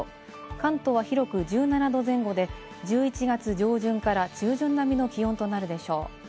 関東は広く１７度前後で、１１月上旬から中旬並みの気温となるでしょう。